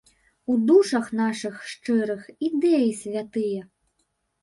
У душах нашых шчырых ідэі святыя.